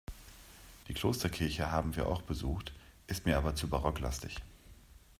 Die Klosterkirche haben wir auch besucht, ist mir aber zu barocklastig.